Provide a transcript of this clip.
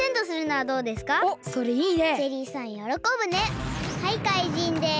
はいかいじんです。